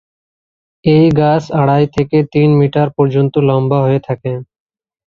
এই গাছ আড়াই থেকে তিন মিটার পর্যন্ত লম্বা হয়ে থাকে।